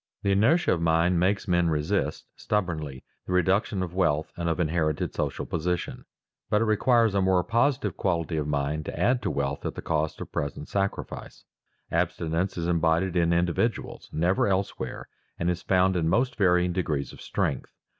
The inertia of mind makes men resist stubbornly the reduction of wealth and of inherited social position; but it requires a more positive quality of mind to add to wealth at the cost of present sacrifice. Abstinence is embodied in individuals, never elsewhere, and is found in most varying degrees of strength.